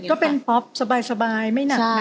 ก็เป็นป๊อปสบายไม่หนักค่ะ